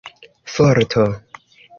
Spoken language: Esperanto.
forto